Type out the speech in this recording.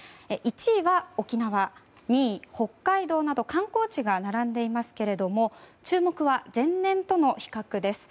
１位は沖縄２位、北海道など観光地が並んでいますけれども注目は前年との比較です。